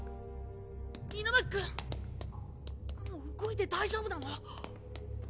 狗巻君もう動いて大丈夫なの？